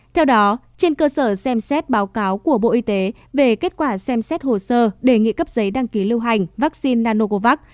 theo đó trên cơ sở xem xét báo cáo của bộ y tế về kết quả xem xét hồ sơ đề nghị cấp giấy đăng ký lưu hành vaccine nanocovax